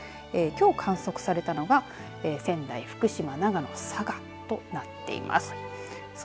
きょう観測されたのは仙台、福島、長野、佐賀となっています。